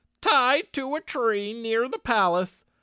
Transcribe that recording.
"Tied to a tree near the palace.